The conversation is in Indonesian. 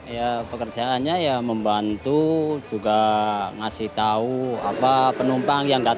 ya pekerjaannya ya membantu juga ngasih tahu apa penumpang yang datang